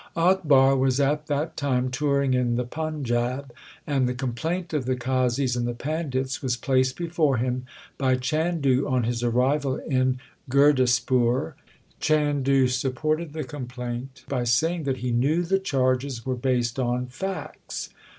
Akbar was at that time touring in the Panjab and the complaint of the qazis and the pandits was placed before him by Chandu on his arrival in Gurdaspur. Chandu supported the complaint by saying that he knew the charges were based on facts.